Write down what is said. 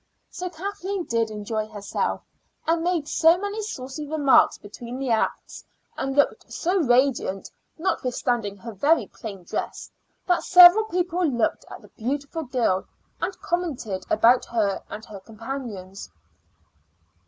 So Kathleen did enjoy herself, and made so many saucy remarks between the acts, and looked so radiant notwithstanding her very plain dress, that several people looked at the beautiful girl and commented about her and her companions.